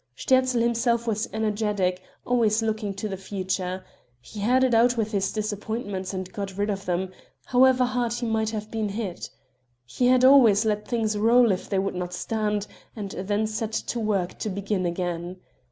Sterzl himself was energetic, always looking to the future; he had it out with his disappointments and got rid of them, however hard he might have been hit. He had always let things roll if they would not stand, and then set to work to begin again.